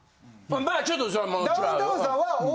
まあちょっと。